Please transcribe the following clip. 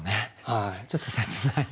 ちょっと切ない。